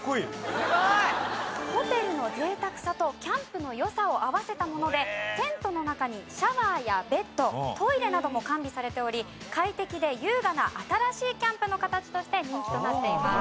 すごい！ホテルの贅沢さとキャンプの良さを合わせたものでテントの中にシャワーやベッドトイレなども完備されており快適で優雅な新しいキャンプの形として人気となっています。